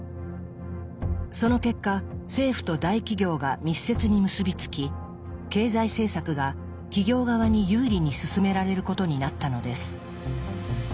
その結果政府と大企業が密接に結び付き経済政策が企業側に有利に進められることになったのです。